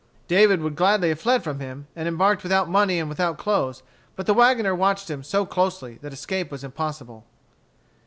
David would gladly have fled from him, and embarked without money and without clothes; but the wagoner watched him so closely that escape was impossible.